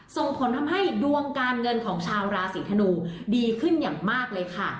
ส่งผลทำให้ดวงการเงินของชาวราศีธนูดีขึ้นอย่างมากเลยค่ะ